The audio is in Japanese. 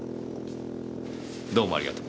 どうもありがとう。